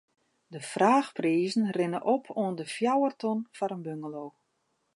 De fraachprizen rinne op oant de fjouwer ton foar in bungalow.